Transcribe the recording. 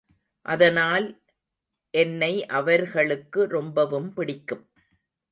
அதனால் என்னை அவர்களுக்கு ரொம்பவும் பிடிக்கும்.